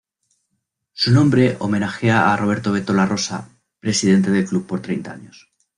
Su nombre homenajea a Roberto "Beto" Larrosa, presidente del club por treinta años.